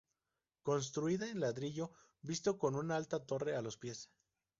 Construida en ladrillo visto, con una alta torre a los pies.